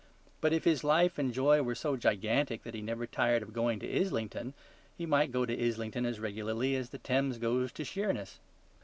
But if his life and joy were so gigantic that he never tired of going to Islington, he might go to Islington as regularly as the Thames goes to Sheerness.